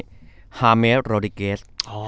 เจมส์